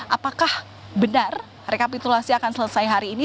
apakah benar rekapitulasi akan selesai hari ini